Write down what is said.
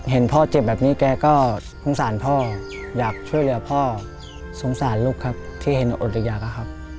เห็นพ่อเจ็บแบบนี้แกก็สงสารพ่ออยากช่วยเหลือพ่อสงสารลูกครับที่เห็นอดหรืออยากอะครับ